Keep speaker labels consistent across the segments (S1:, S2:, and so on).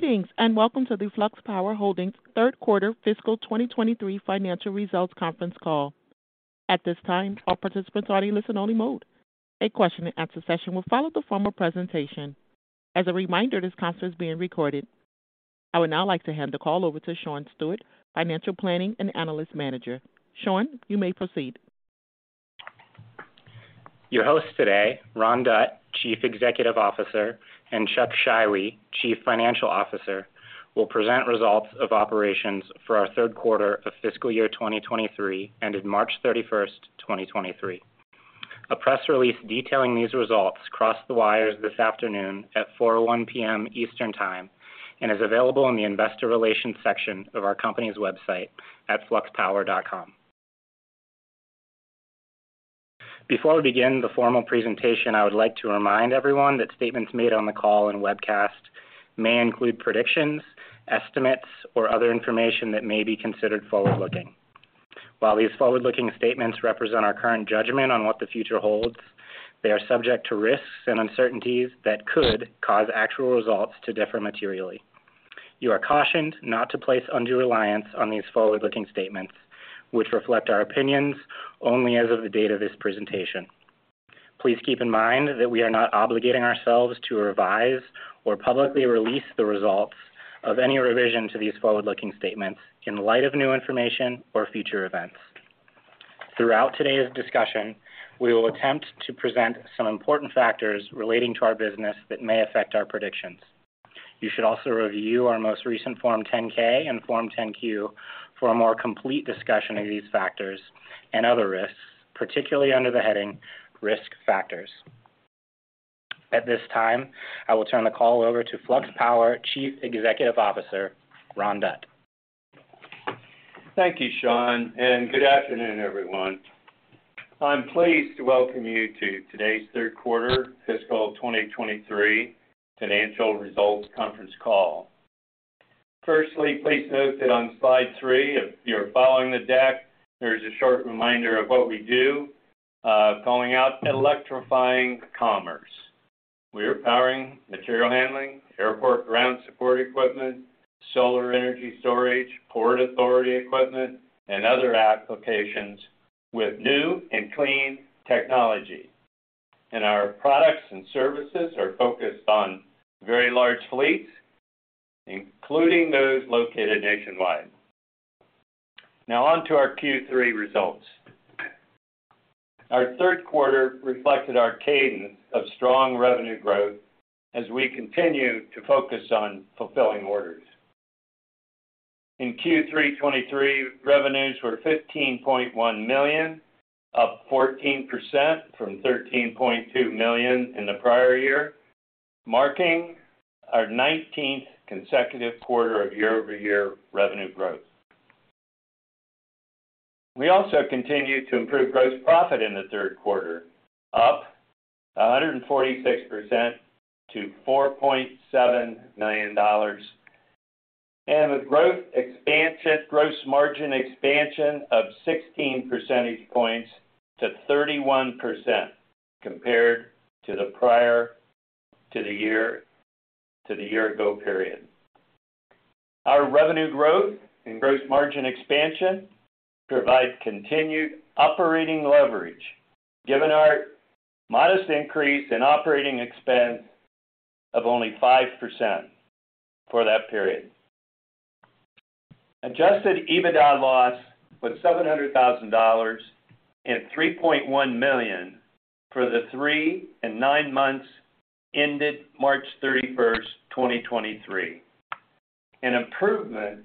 S1: Greetings, welcome to the Flux Power Holdings third quarter fiscal 2023 financial results conference call. At this time, all participants are in listen-only mode. A question-and-answer session will follow the formal presentation. As a reminder, this conference is being recorded. I would now like to hand the call over to Sean Stewart, Financial Planning and Analyst Manager. Sean, you may proceed.
S2: Your host today, Ron Dutt, Chief Executive Officer, and Chuck Scheiwe, Chief Financial Officer, will present results of operations for our third quarter of fiscal year 2023 ended March 31st, 2023. A press release detailing these results crossed the wires this afternoon at 4:00 P.M. Eastern Time and is available in the investor relations section of our company's website at fluxpower.com. Before we begin the formal presentation, I would like to remind everyone that statements made on the call and webcast may include predictions, estimates, or other information that may be considered forward-looking. While these forward-looking statements represent our current judgment on what the future holds, they are subject to risks and uncertainties that could cause actual results to differ materially. You are cautioned not to place undue reliance on these forward-looking statements, which reflect our opinions only as of the date of this presentation. Please keep in mind that we are not obligating ourselves to revise or publicly release the results of any revision to these forward-looking statements in light of new information or future events. Throughout today's discussion, we will attempt to present some important factors relating to our business that may affect our predictions. You should also review our most recent Form 10-K and Form 10-Q for a more complete discussion of these factors and other risks, particularly under the heading Risk Factors. At this time, I will turn the call over to Flux Power Chief Executive Officer, Ron Dutt.
S3: Thank you, Sean. Good afternoon, everyone. I'm pleased to welcome you to today's third quarter fiscal 2023 financial results conference call. Firstly, please note that on slide three, if you're following the deck, there's a short reminder of what we do, calling out electrifying commerce. We are powering material handling, airport ground support equipment, solar energy storage, port authority equipment, and other applications with new and clean technology. Our products and services are focused on very large fleets, including those located nationwide. Now on to our Q3 results. Our third quarter reflected our cadence of strong revenue growth as we continue to focus on fulfilling orders. In Q3 2023, revenues were $15.1 million, up 14% from $13.2 million in the prior year, marking our 19th consecutive quarter of year-over-year revenue growth. We also continued to improve gross profit in the third quarter, up 146% to $4.7 million, with gross margin expansion of 16 percentage points to 31% compared to the year ago period. Our revenue growth and gross margin expansion provide continued operating leverage given our modest increase in operating expense of only 5% for that period. Adjusted EBITDA loss was $700,000 and $3.1 million for the three and nine months ended March 31, 2023, an improvement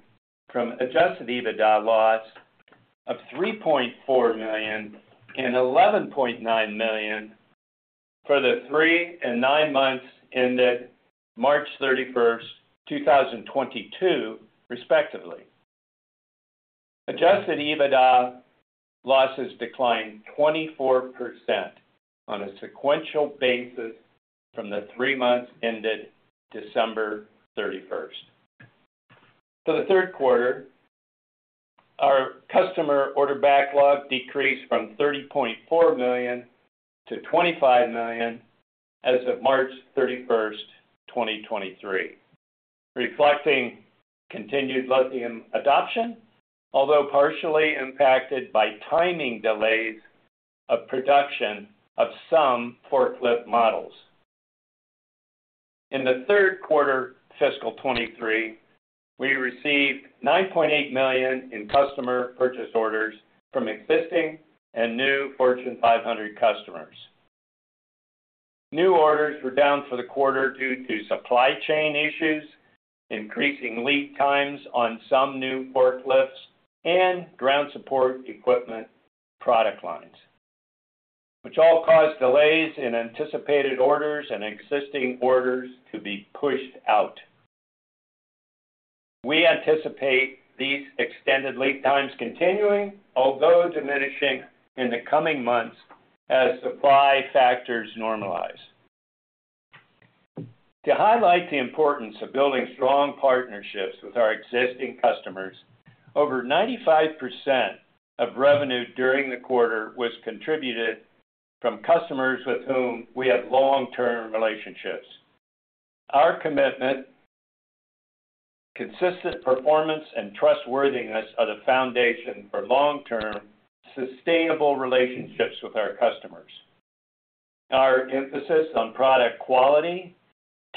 S3: from Adjusted EBITDA loss of $3.4 million and $11.9 million for the three and nine months ended March 31, 2022, respectively. Adjusted EBITDA losses declined 24% on a sequential basis from the three months ended December 31. For the third quarter, our customer order backlog decreased from $30.4 million to $25 million as of March 31, 2023, reflecting continued lithium adoption, although partially impacted by timing delays of production of some forklift models. In the third quarter fiscal 2023, we received $9.8 million in customer purchase orders from existing and new Fortune 500 customers. New orders were down for the quarter due to supply chain issues, increasing lead times on some new forklifts and ground support equipment product lines, which all caused delays in anticipated orders and existing orders to be pushed out. We anticipate these extended lead times continuing, although diminishing in the coming months as supply factors normalize. To highlight the importance of building strong partnerships with our existing customers, over 95% of revenue during the quarter was contributed from customers with whom we have long-term relationships. Our commitment, consistent performance, and trustworthiness are the foundation for long-term, sustainable relationships with our customers. Our emphasis on product quality,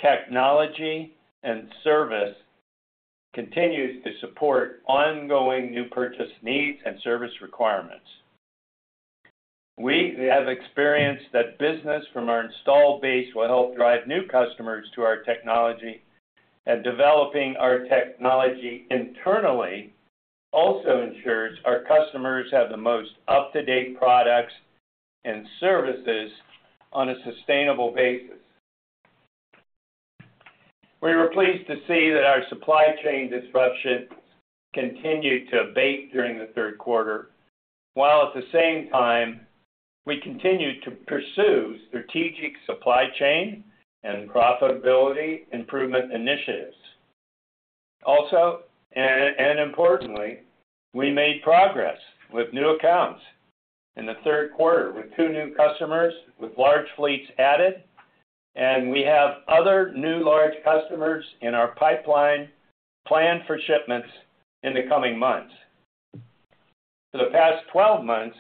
S3: technology, and service continues to support ongoing new purchase needs and service requirements. We have experienced that business from our installed base will help drive new customers to our technology. Developing our technology internally also ensures our customers have the most up-to-date products and services on a sustainable basis. We were pleased to see that our supply chain disruptions continued to abate during the third quarter, while at the same time, we continued to pursue strategic supply chain and profitability improvement initiatives. Importantly, we made progress with new accounts in the third quarter with two new customers, with large fleets added, and we have other new large customers in our pipeline planned for shipments in the coming months. For the past 12 months,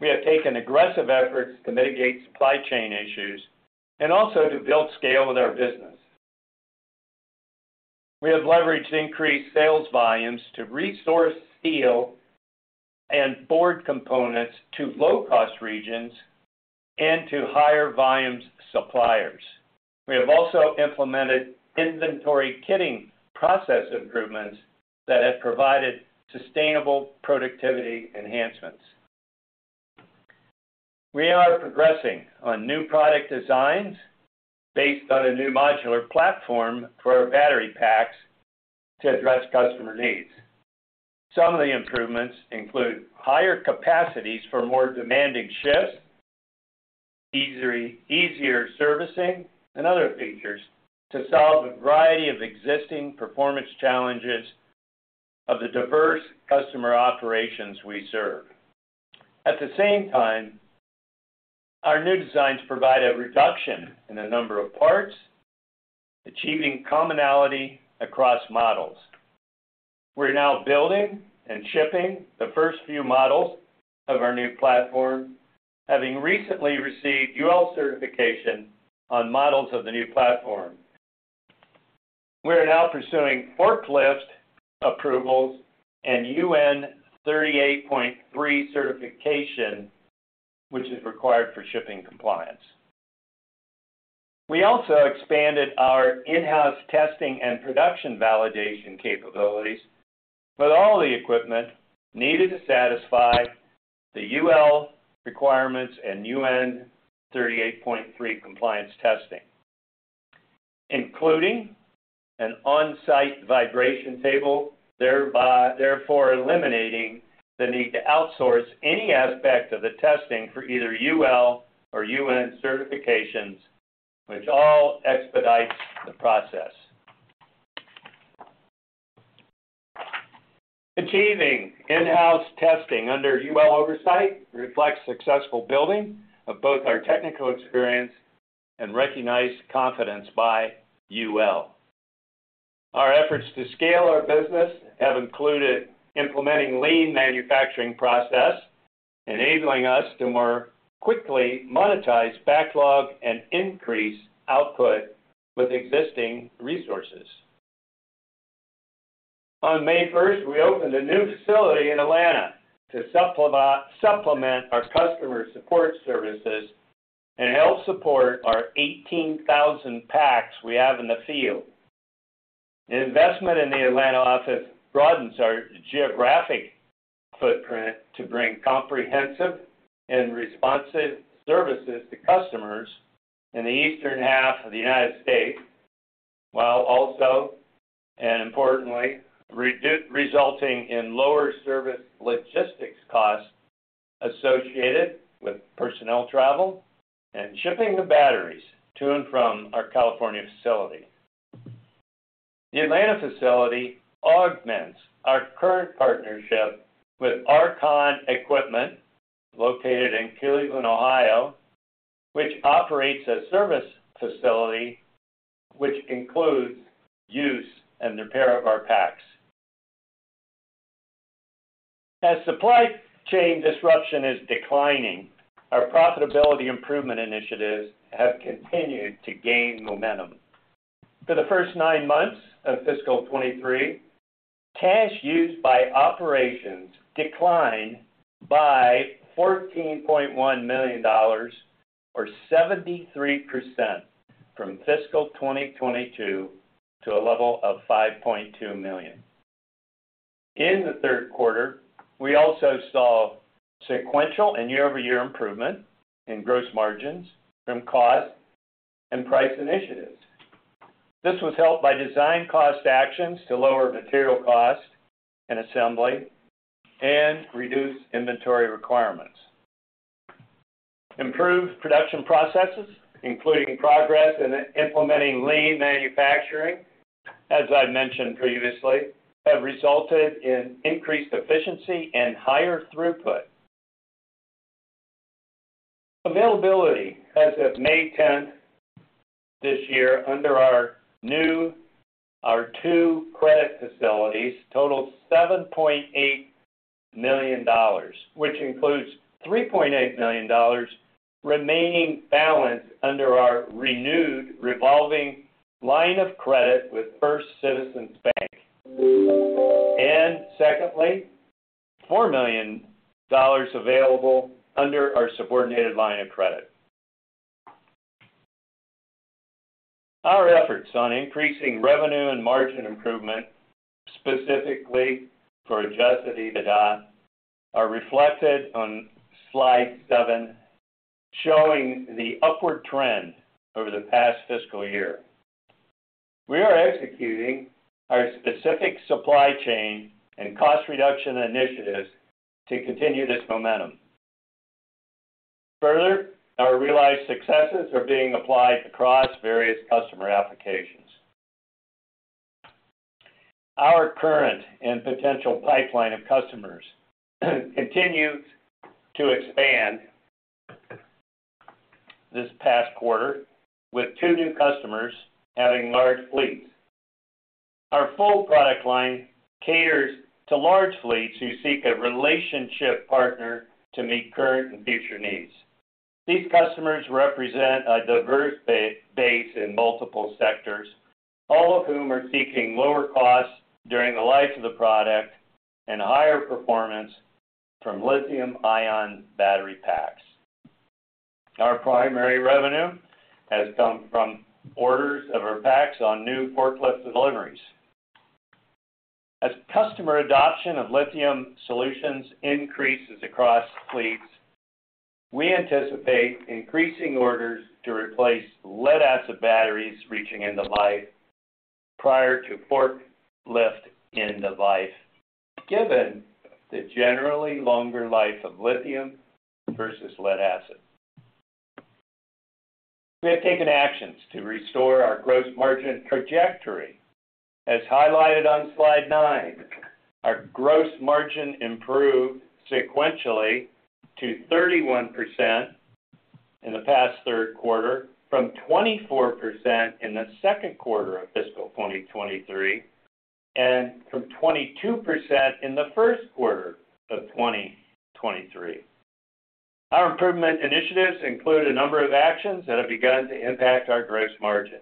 S3: we have taken aggressive efforts to mitigate supply chain issues and also to build scale with our business. We have leveraged increased sales volumes to resource steel and board components to low-cost regions and to higher volumes suppliers. We have also implemented inventory kitting process improvements that have provided sustainable productivity enhancements. We are progressing on new product designs based on a new modular platform for our battery packs to address customer needs. Some of the improvements include higher capacities for more demanding shifts, easier servicing, and other features to solve a variety of existing performance challenges of the diverse customer operations we serve. At the same time, our new designs provide a reduction in the number of parts, achieving commonality across models. We are now building and shipping the first few models of our new platform, having recently received UL certification on models of the new platform. We are now pursuing forklift approvals and UN 38.3 certification, which is required for shipping compliance. We also expanded our in-house testing and production validation capabilities with all the equipment needed to satisfy the UL requirements and UN 38.3 compliance testing, including an on-site vibration table, therefore eliminating the need to outsource any aspect of the testing for either UL or UN certifications, which all expedites the process. Achieving in-house testing under UL oversight reflects successful building of both our technical experience and recognized confidence by UL. Our efforts to scale our business have included implementing lean manufacturing process, enabling us to more quickly monetize backlog and increase output with existing resources. On May 1st, we opened a new facility in Atlanta to supplement our customer support services and help support our 18,000 packs we have in the field. The investment in the Atlanta office broadens our geographic footprint to bring comprehensive and responsive services to customers in the eastern half of the United States, while also, and importantly, resulting in lower service logistics costs associated with personnel travel and shipping the batteries to and from our California facility. The Atlanta facility augments our current partnership with ARCON Equipment, located in Cleveland, Ohio, which operates a service facility, which includes use and repair of our packs. As supply chain disruption is declining, our profitability improvement initiatives have continued to gain momentum. For the first nine months of fiscal 2023, cash used by operations declined by $14.1 million or 73% from fiscal 2022 to a level of $5.2 million. In the third quarter, we also saw sequential and year-over-year improvement in gross margins from cost and price initiatives. This was helped by design cost actions to lower material cost and assembly and reduce inventory requirements. Improved production processes, including progress in implementing lean manufacturing. As I mentioned previously, have resulted in increased efficiency and higher throughput. Availability as of May 10th this year under our two credit facilities totaled $7.8 million, which includes $3.8 million remaining balance under our renewed revolving line of credit with First Citizens Bank. Secondly, $4 million available under our subordinated line of credit. Our efforts on increasing revenue and margin improvement, specifically for Adjusted EBITDA, are reflected on slide seven, showing the upward trend over the past fiscal year. We are executing our specific supply chain and cost reduction initiatives to continue this momentum. Our realized successes are being applied across various customer applications. Our current and potential pipeline of customers continue to expand this past quarter with two new customers having large fleets. Our full product line caters to large fleets who seek a relationship partner to meet current and future needs. These customers represent a diverse base in multiple sectors, all of whom are seeking lower costs during the life of the product and higher performance from lithium-ion battery packs. Our primary revenue has come from orders of our packs on new forklift deliveries. As customer adoption of lithium solutions increases across fleets, we anticipate increasing orders to replace lead acid batteries reaching end of life prior to forklift end of life, given the generally longer life of lithium versus lead acid. We have taken actions to restore our gross margin trajectory. As highlighted on slide nine, our gross margin improved sequentially to 31% in the past 3rd quarter, from 24% in the 2nd quarter of fiscal 2023, and from 22% in the 1st quarter of 2023. Our improvement initiatives include a number of actions that have begun to impact our gross margin.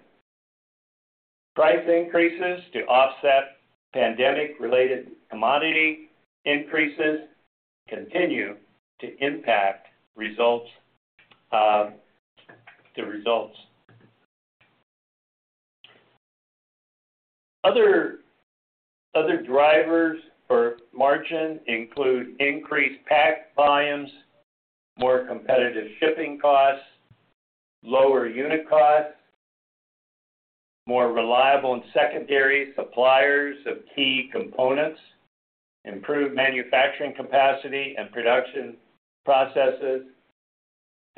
S3: Price increases to offset pandemic-related commodity increases continue to impact results, the results. Other drivers for margin include increased pack volumes, more competitive shipping costs, lower unit costs, more reliable and secondary suppliers of key components, improved manufacturing capacity and production processes,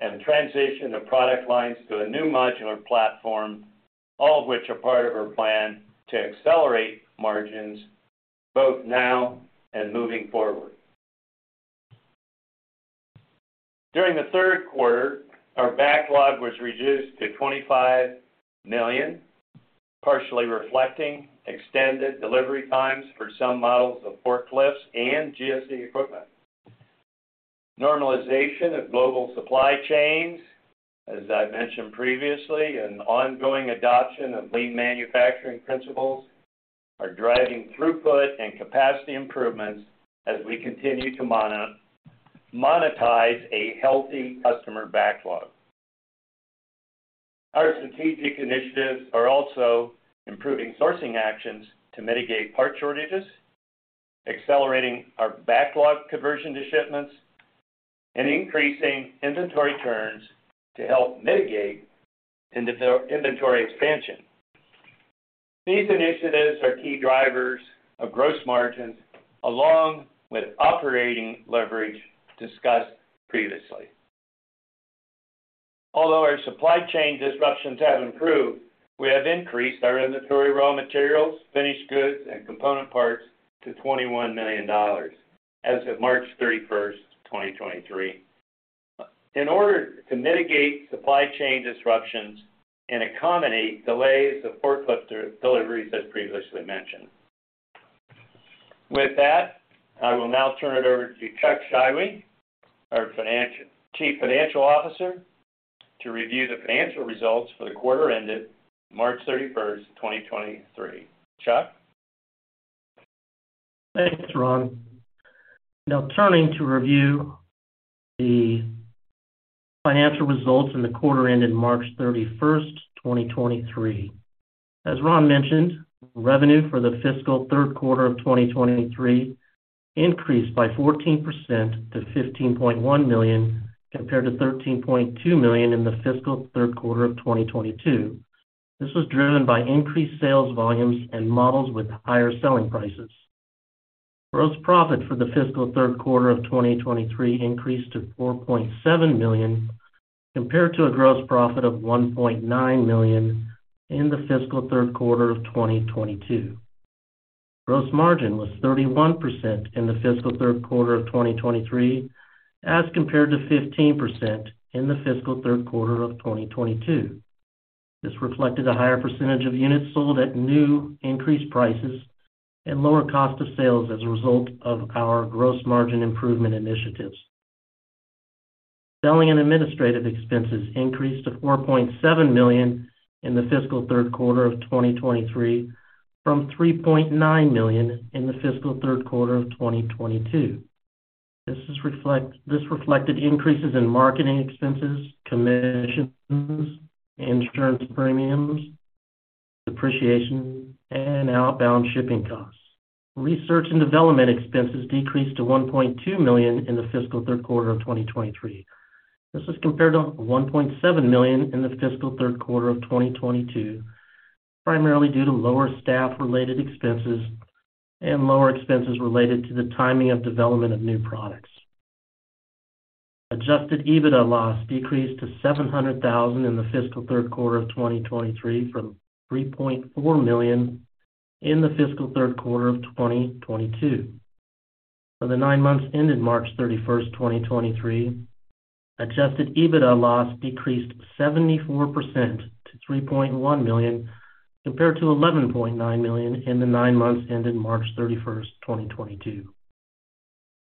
S3: and transition of product lines to a new modular platform, all of which are part of our plan to accelerate margins both now and moving forward. During the third quarter, our backlog was reduced to $25 million, partially reflecting extended delivery times for some models of forklifts and GSE equipment. Normalization of global supply chains, as I mentioned previously, and ongoing adoption of lean manufacturing principles are driving throughput and capacity improvements as we continue to monetize a healthy customer backlog. Our strategic initiatives are also improving sourcing actions to mitigate part shortages, accelerating our backlog conversion to shipments, and increasing inventory turns to help mitigate inventory expansion. These initiatives are key drivers of gross margins along with operating leverage discussed previously. Although our supply chain disruptions have improved, we have increased our inventory raw materials, finished goods, and component parts to $21 million as of March 31st, 2023. In order to mitigate supply chain disruptions and accommodate delays of forklift de-deliveries, as previously mentioned. I will now turn it over to Chuck Scheiwe, our Chief Financial Officer, to review the financial results for the quarter ended March 31, 2023. Chuck?
S4: Thanks, Ron. Turning to review the financial results in the quarter ended March 31st, 2023. As Ron mentioned, revenue for the fiscal third quarter of 2023 increased by 14% to $15.1 million, compared to $13.2 million in the fiscal third quarter of 2022. This was driven by increased sales volumes and models with higher selling prices. Gross profit for the fiscal third quarter of 2023 increased to $4.7 million, compared to a gross profit of $1.9 million in the fiscal third quarter of 2022. Gross margin was 31% in the fiscal third quarter of 2023, as compared to 15% in the fiscal third quarter of 2022. This reflected a higher percentage of units sold at new increased prices and lower cost of sales as a result of our gross margin improvement initiatives. Selling and administrative expenses increased to $4.7 million in the fiscal third quarter of 2023 from $3.9 million in the fiscal third quarter of 2022. This reflected increases in marketing expenses, commissions, insurance premiums, depreciation, and outbound shipping costs. Research and development expenses decreased to $1.2 million in the fiscal third quarter of 2023. This is compared to $1.7 million in the fiscal third quarter of 2022, primarily due to lower staff-related expenses and lower expenses related to the timing of development of new products. Adjusted EBITDA loss decreased to $700,000 in the fiscal third quarter of 2023 from $3.4 million in the fiscal third quarter of 2022. For the nine months ended March 31st, 2023, Adjusted EBITDA loss decreased 74% to $3.1 million, compared to $11.9 million in the nine months ended March 31st, 2022.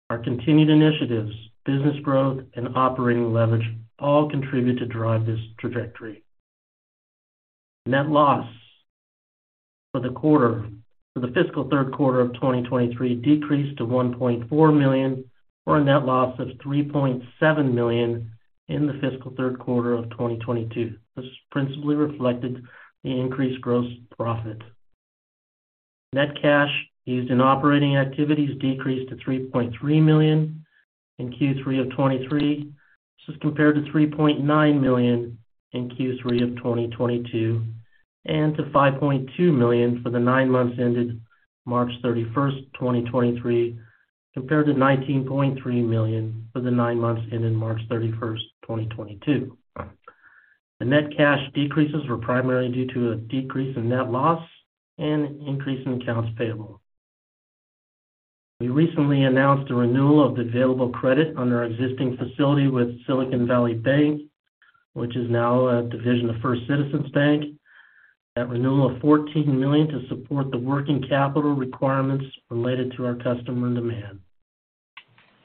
S4: Our continued initiatives, business growth, and operating leverage all contributed to drive this trajectory. Net loss for the fiscal third quarter of 2023 decreased to $1.4 million or a net loss of $3.7 million in the fiscal third quarter of 2022. This principally reflected the increased gross profit. Net cash used in operating activities decreased to $3.3 million in Q3 of 2023. This is compared to $3.9 million in Q3 of 2022, to $5.2 million for the nine months ended March 31, 2023, compared to $19.3 million for the nine months ended March 31, 2022. The net cash decreases were primarily due to a decrease in net loss and increase in accounts payable. We recently announced a renewal of the available credit on our existing facility with Silicon Valley Bank, which is now a division of First Citizens Bank. That renewal of $14 million to support the working capital requirements related to our customer demand.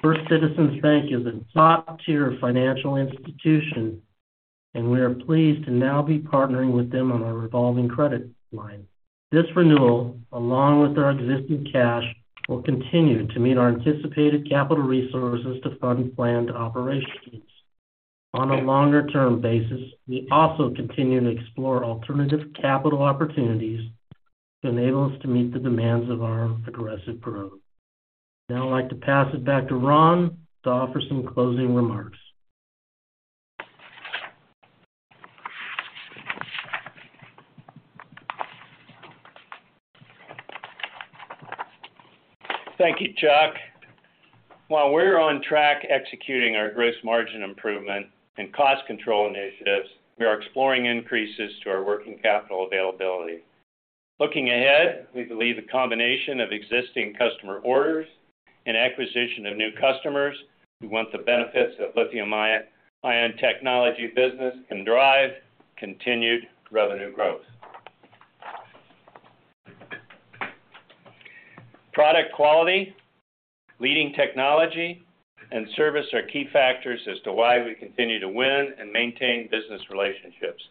S4: First Citizens Bank is a top-tier financial institution, we are pleased to now be partnering with them on our revolving credit line. This renewal, along with our existing cash, will continue to meet our anticipated capital resources to fund planned operations. On a longer-term basis, we also continue to explore alternative capital opportunities to enable us to meet the demands of our aggressive growth. I'd like to pass it back to Ron to offer some closing remarks.
S3: Thank you, Chuck. While we're on track executing our gross margin improvement and cost control initiatives, we are exploring increases to our working capital availability. Looking ahead, we believe the combination of existing customer orders and acquisition of new customers, we want the benefits that lithium-ion technology business can drive continued revenue growth. Product quality, leading technology, and service are key factors as to why we continue to win and maintain business relationships,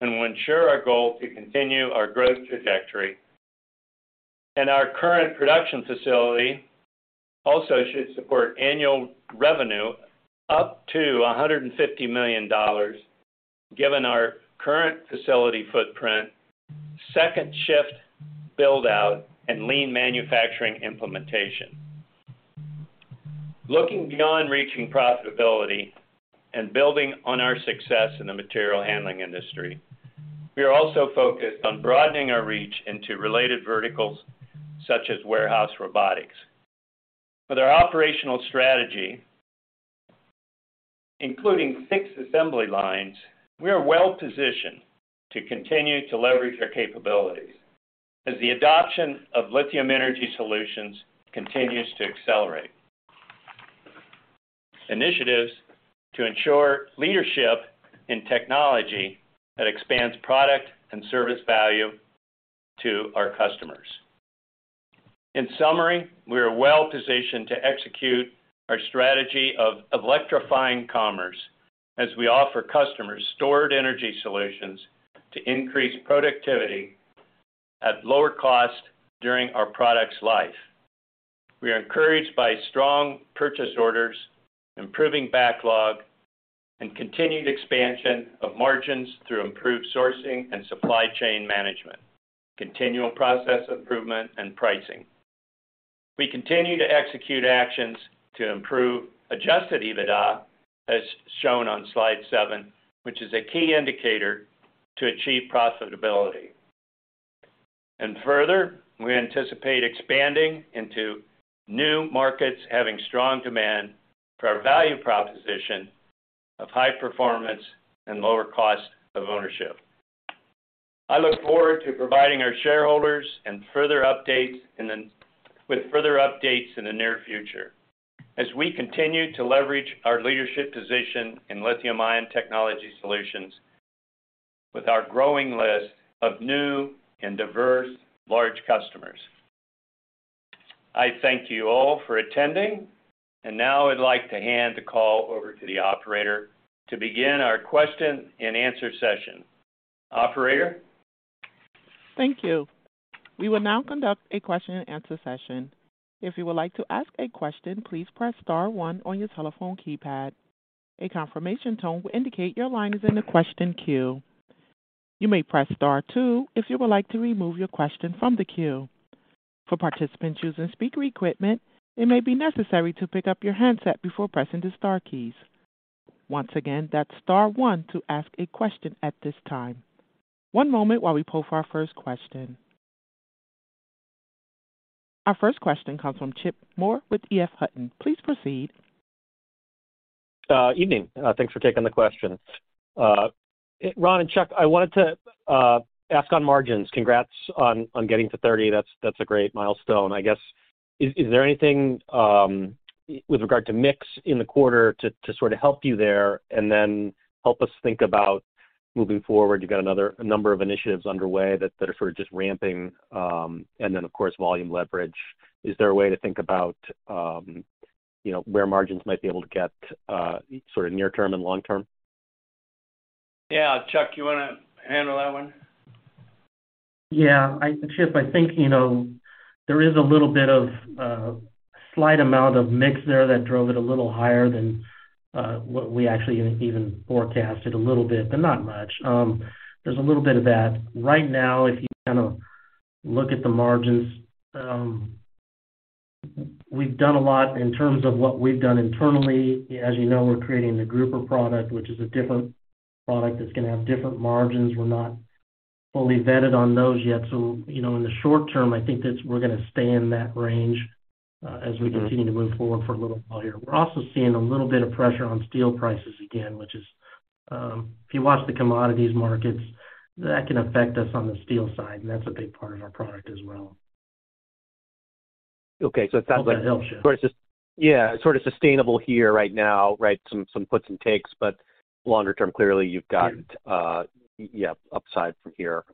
S3: will ensure our goal to continue our growth trajectory. Our current production facility also should support annual revenue up to $150 million, given our current facility footprint, second shift build-out, and lean manufacturing implementation. Looking beyond reaching profitability and building on our success in the material handling industry, we are also focused on broadening our reach into related verticals such as warehouse robotics. With our operational strategy, including six assembly lines, we are well positioned to continue to leverage our capabilities as the adoption of lithium energy solutions continues to accelerate. Initiatives to ensure leadership in technology that expands product and service value to our customers. In summary, we are well positioned to execute our strategy of electrifying commerce as we offer customers stored energy solutions to increase productivity at lower cost during our product's life. We are encouraged by strong purchase orders, improving backlog, and continued expansion of margins through improved sourcing and supply chain management, continual process improvement and pricing. We continue to execute actions to improve Adjusted EBITDA, as shown on slide seven, which is a key indicator-To achieve profitability. Further, we anticipate expanding into new markets having strong demand for our value proposition of high performance and lower cost of ownership. I look forward to providing our shareholders with further updates in the near future as we continue to leverage our leadership position in lithium-ion technology solutions with our growing list of new and diverse large customers. I thank you all for attending. Now I'd like to hand the call over to the operator to begin our question-and-answer session. Operator?
S1: Thank you. We will now conduct a question-and-answer session. If you would like to ask a question, please press star one on your telephone keypad. A confirmation tone will indicate your line is in the question queue. You may press star two if you would like to remove your question from the queue. For participants using speaker equipment, it may be necessary to pick up your handset before pressing the star keys. Once again, that's star one to ask a question at this time. One moment while we poll for our first question. Our first question comes from Chip Moore with EF Hutton. Please proceed.
S5: Evening. Thanks for taking the question. Ron and Chuck, I wanted to ask on margins. Congrats on getting to 30%. That's a great milestone. I guess, is there anything with regard to mix in the quarter to sort of help you there and then help us think about moving forward? You've got a number of initiatives underway that are sort of just ramping, and then of course, volume leverage. Is there a way to think about, you know, where margins might be able to get sort of near term and long term?
S3: Yeah. Chuck, you wanna handle that one?
S4: Yeah. Chip, I think, you know, there is a little bit of slight amount of mix there that drove it a little higher than what we actually even forecasted a little bit, but not much. There's a little bit of that. Right now, if you kinda look at the margins, we've done a lot in terms of what we've done internally. As you know, we're creating the grouper product, which is a different product that's gonna have different margins. We're not fully vetted on those yet. You know, in the short term, I think that's we're gonna stay in that range.
S5: Mm-hmm
S4: As we continue to move forward for a little while here. We're also seeing a little bit of pressure on steel prices again, which is, if you watch the commodities markets, that can affect us on the steel side, and that's a big part of our product as well.
S5: Okay. it sounds like.
S4: Hope that helps you.
S5: Yeah. Sort of sustainable here right now, right? Some puts and takes. Longer term, clearly you've got, yeah, upside from here.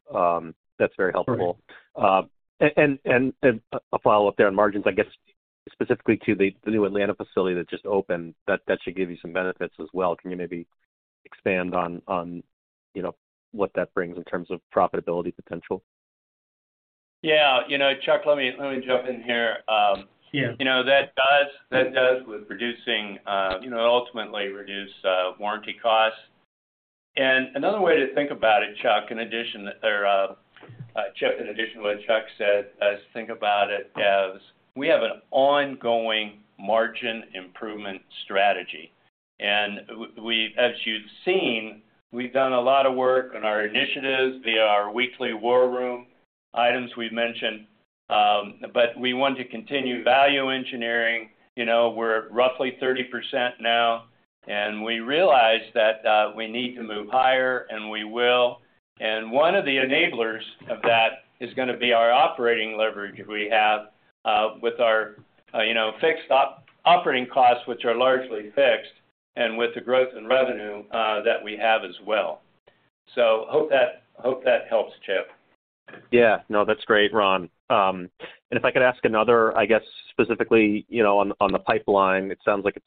S5: That's very helpful.
S4: Right.
S5: A follow-up there on margins, I guess, specifically to the new Atlanta facility that just opened, that should give you some benefits as well. Can you maybe expand on, you know, what that brings in terms of profitability potential?
S3: Yeah. You know, Chuck, let me jump in here.
S4: Yeah
S3: You know, that does with reducing, you know, ultimately reduce warranty costs. Another way to think about it, Chuck, in addition that there, Chip, in addition to what Chuck said, is think about it as we have an ongoing margin improvement strategy. As you've seen, we've done a lot of work on our initiatives via our weekly war room items we've mentioned, but we want to continue value engineering. You know, we're roughly 30% now, and we realize that, we need to move higher, and we will. One of the enablers of that is gonna be our operating leverage we have with our, you know, fixed operating costs, which are largely fixed, and with the growth in revenue, that we have as well. Hope that helps, Chip.
S5: Yeah. No, that's great, Ron. If I could ask another, I guess, specifically, you know, on the pipeline, it sounds like it's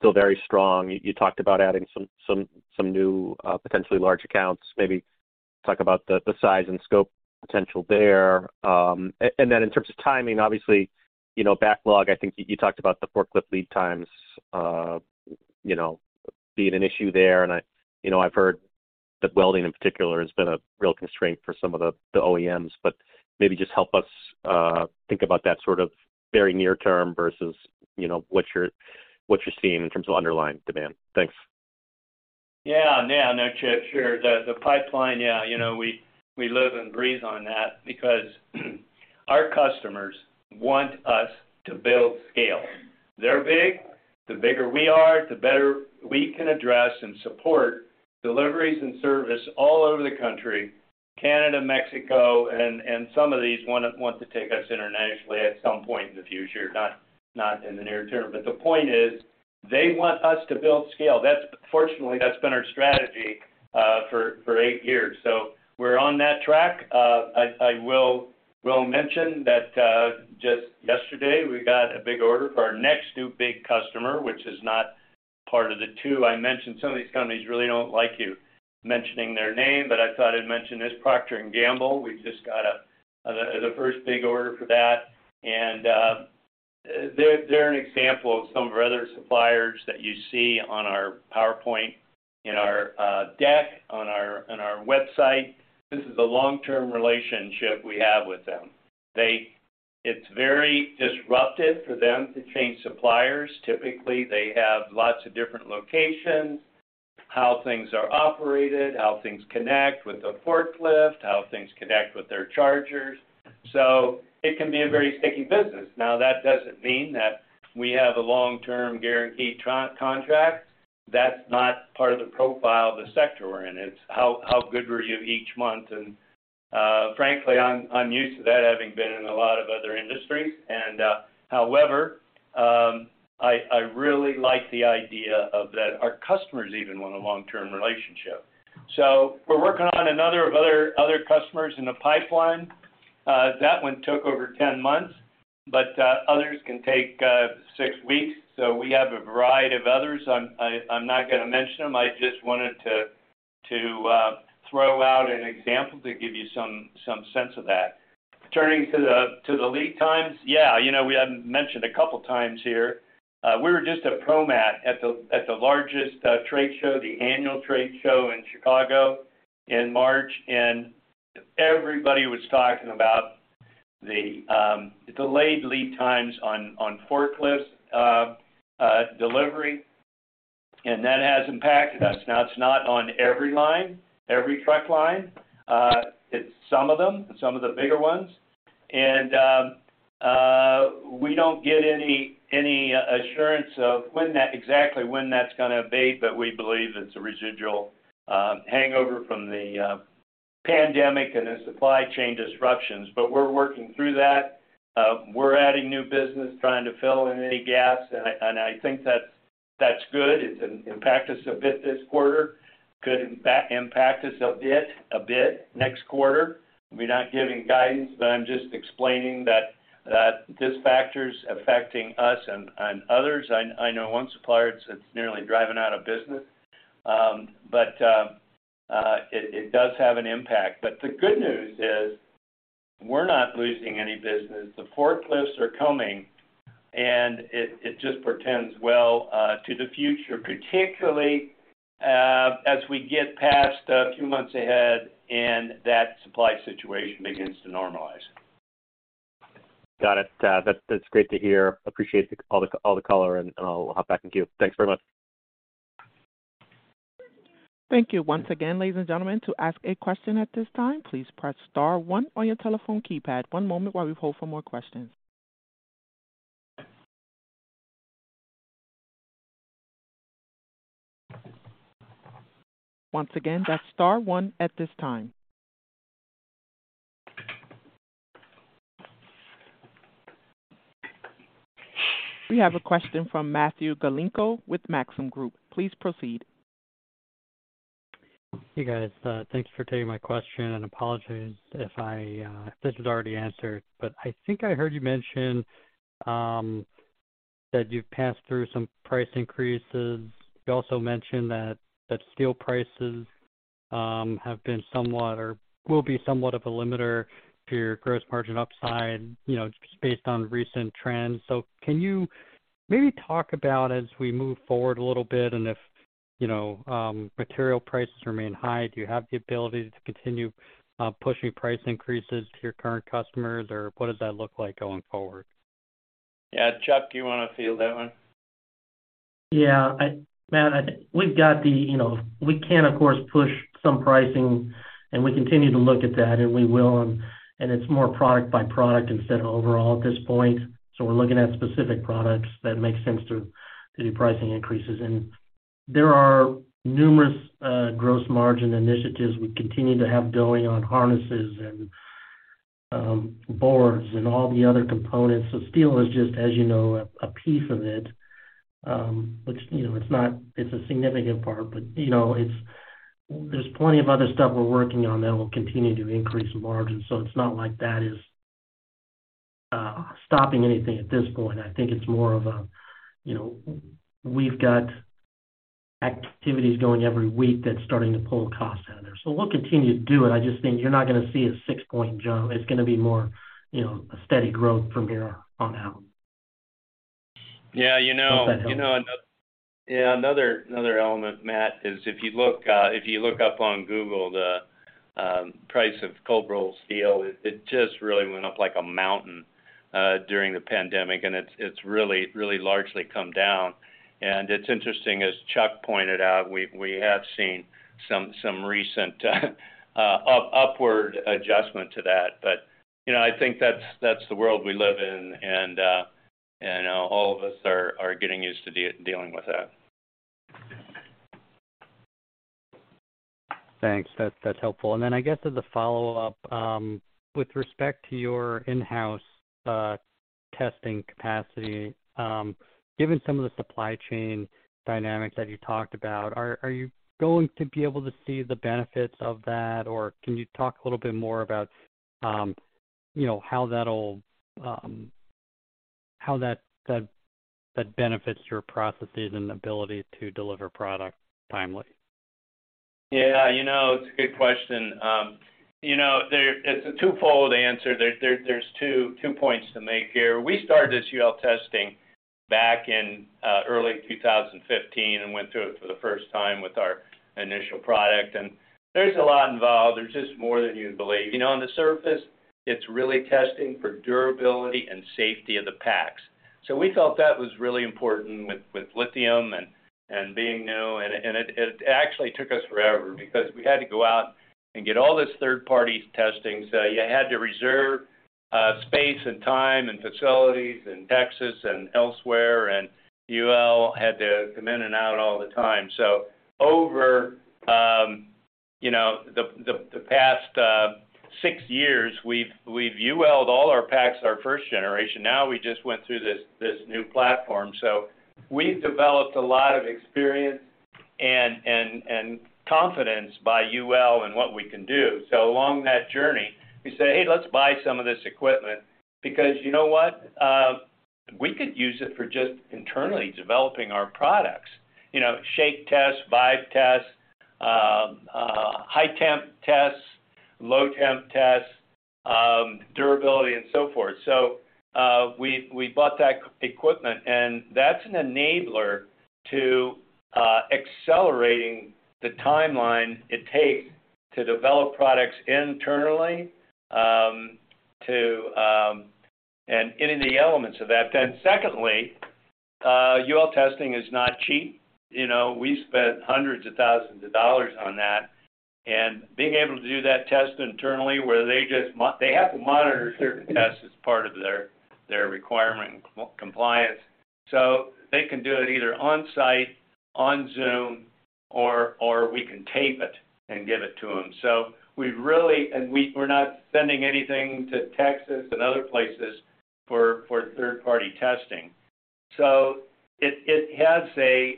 S5: still very strong. You talked about adding some new, potentially large accounts. Maybe talk about the size and scope potential there. And then in terms of timing, obviously, you know, backlog, I think you talked about the forklift lead times, you know, being an issue there. I, you know, I've heard that welding in particular has been a real constraint for some of the OEMs, but maybe just help us think about that sort of very near term versus, you know, what you're seeing in terms of underlying demand. Thanks.
S3: Yeah. Yeah. No, Chip. Sure. The pipeline, you know, we live and breathe on that because our customers want us to build scale. They're big. The bigger we are, the better we can address and support deliveries and service all over the country, Canada, Mexico, and some of these want to take us internationally at some point in the future, not in the near term. The point is, they want us to build scale. Fortunately, that's been our strategy for eight years. We're on that track. I will mention that just yesterday, we got a big order for our next new big customer, which is not part of the two I mentioned. Some of these companies really don't like you mentioning their name, but I thought I'd mention this, Procter & Gamble. We've just got the first big order for that. They're an example of some of our other suppliers that you see on our PowerPoint, in our deck, on our website. This is a long-term relationship we have with them. It's very disruptive for them to change suppliers. Typically, they have lots of different locations, how things are operated, how things connect with the forklift, how things connect with their chargers. It can be a very sticky business. That doesn't mean that we have a long-term guaranteed contract. That's not part of the profile of the sector we're in. It's how good were you each month. Frankly, I'm used to that having been in a lot of other industries. However, I really like the idea of that our customers even want a long-term relationship. We're working on another of other customers in the pipeline. That one took over 10 months, but others can take six weeks. We have a variety of others. I'm not gonna mention them. I just wanted to throw out an example to give you some sense of that. Turning to the lead times, yeah, you know, we have mentioned a couple of times here. We were just at ProMat, at the largest trade show, the annual trade show in Chicago in March, and everybody was talking about the delayed lead times on forklift delivery, and that has impacted us. Now, it's not on every line, every truck line, it's some of them, some of the bigger ones. We don't get any assurance of exactly when that's gonna abate, but we believe it's a residual hangover from the pandemic and the supply chain disruptions. We're working through that. We're adding new business, trying to fill in any gaps, and I think that's good. It's impacted us a bit this quarter. Could, in fact, impact us a bit next quarter. We're not giving guidance, but I'm just explaining that this factor's affecting us and others. I know one supplier it's nearly driving out of business. It does have an impact. The good news is we're not losing any business. The forklifts are coming, and it just portends well to the future, particularly as we get past a few months ahead and that supply situation begins to normalize.
S5: Got it. That's great to hear. Appreciate all the color, and I'll hop back in queue. Thanks very much.
S1: Thank you once again, ladies and gentlemen. To ask a question at this time, please press star one on your telephone keypad. One moment while we hold for more questions. Once again, that's star one at this time. We have a question from Matthew Galinko with Maxim Group. Please proceed.
S6: Hey, guys. Thanks for taking my question and apologies if I, if this was already answered, but I think I heard you mention that you've passed through some price increases. You also mentioned that steel prices have been somewhat or will be somewhat of a limiter to your gross margin upside, you know, just based on recent trends. Can you maybe talk about as we move forward a little bit and if, you know, material prices remain high, do you have the ability to continue pushing price increases to your current customers? Or what does that look like going forward?
S3: Yeah. Chuck, do you wanna field that one?
S4: Yeah. Matt, you know. We can, of course, push some pricing, and we continue to look at that, and we will. It's more product by product instead of overall at this point. We're looking at specific products that make sense to do pricing increases. There are numerous gross margin initiatives we continue to have going on harnesses and boards and all the other components. Steel is just, as you know, a piece of it, which, you know, it's a significant part, but, you know, there's plenty of other stuff we're working on that will continue to increase margins. It's not like that is stopping anything at this point. I think it's more of a, you know, we've got activities going every week that's starting to pull costs out of there. We'll continue to do it. I just think you're not gonna see a six-point jump. It's gonna be more, you know, a steady growth from here on out.
S3: Yeah.
S4: Hope that helps.
S3: You know, Yeah. Another element, Matt, is if you look up on Google, the price of cold-rolled steel, it just really went up like a mountain during the pandemic, and it's really largely come down. It's interesting, as Chuck pointed out, we have seen some recent upward adjustment to that. You know, I think that's the world we live in, and all of us are getting used to dealing with that.
S6: Thanks. That's helpful. Then I guess as a follow-up, with respect to your in-house testing capacity, given some of the supply chain dynamics that you talked about, are you going to be able to see the benefits of that? Can you talk a little bit more about, you know, how that'll, how that benefits your processes and ability to deliver products timely?
S3: Yeah. You know, it's a good question. You know, it's a twofold answer. There's two points to make here. We started this UL testing back in early 2015 and went through it for the first time with our initial product. There's a lot involved. There's just more than you'd believe. You know, on the surface, it's really testing for durability and safety of the packs. We felt that was really important with lithium and being new and it actually took us forever because we had to go out and get all this third-party testing. You had to reserve space and time and facilities in Texas and elsewhere, and UL had to come in and out all the time. Over, you know, the past, six years, we've UL'd all our packs, our first generation. We just went through this new platform. We've developed a lot of experience and confidence by UL in what we can do. Along that journey, we say, "Hey, let's buy some of this equipment," because you know what? We could use it for just internally developing our products. You know, shake tests, vibe tests, high temp tests, low temp tests, durability and so forth. We bought that equipment, and that's an enabler to accelerating the timeline it takes to develop products internally, to any of the elements of that. Secondly, UL testing is not cheap. You know, we spent hundreds of thousands of dollars on that, and being able to do that test internally where they just have to monitor certain tests as part of their requirement and compliance. They can do it either on-site, on Zoom, or we can tape it and give it to them. We really. We're not sending anything to Texas and other places for third-party testing. It has a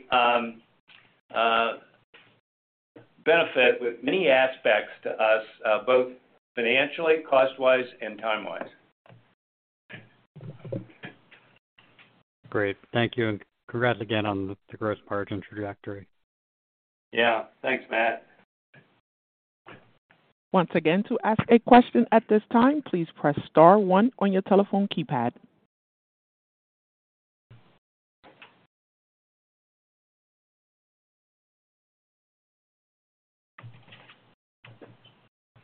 S3: benefit with many aspects to us, both financially, cost-wise, and time-wise.
S6: Great. Thank you, and congrats again on the gross margin trajectory.
S3: Yeah. Thanks, Matt.
S1: Once again, to ask a question at this time, please press star one on your telephone keypad.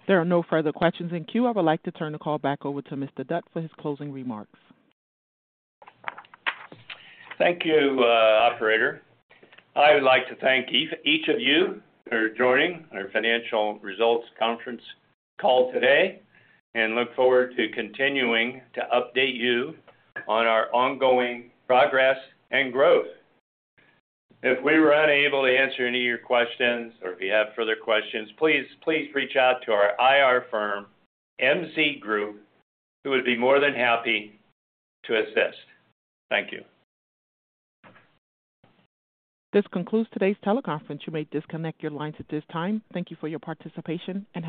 S1: There are no further questions in queue. I would like to turn the call back over to Ron Dutt for his closing remarks.
S3: Thank you, operator. I would like to thank each of you for joining our financial results conference call today and look forward to continuing to update you on our ongoing progress and growth. If we were unable to answer any of your questions or if you have further questions, please reach out to our IR firm, MZ Group, who would be more than happy to assist. Thank you.
S1: This concludes today's teleconference. You may disconnect your lines at this time. Thank you for your participation, and have a great day.